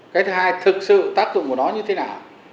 cái thứ hai thực sự tác dụng của nó như thế nào